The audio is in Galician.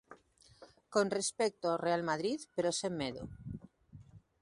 Con respecto ao Real Madrid, pero sen medo.